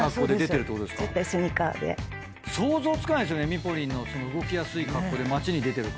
ミポリンの動きやすい格好で街に出てる感じ。